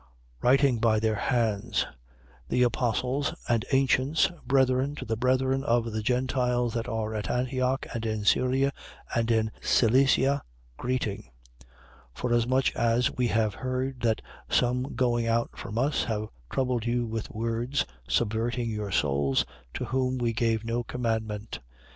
Writing by their hands: The apostles and ancients, brethren, to the brethren of the Gentiles that are at Antioch and in Syria and Cilicia, greeting. 15:24. Forasmuch as we have heard that some going out from us have troubled you with words, subverting your souls, to whom we gave no commandment: 15:25.